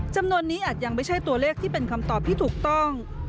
จำนวนนี้อาจยังไม่ใช่ตัวเลขที่เป็นคำตอบที่ถูกต้อง